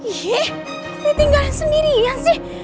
iya dia tinggalin sendirian sih